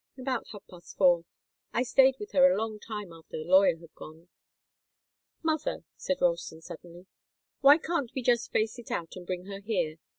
"About half past four. I stayed with her a long time after the lawyer had gone." "Mother," said Ralston, suddenly, "why can't we just face it out and bring her here?